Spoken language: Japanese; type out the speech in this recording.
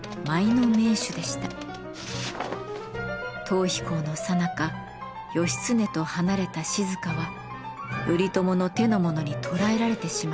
逃避行のさなか義経と離れた静は頼朝の手の者に捕らえられてしまいます。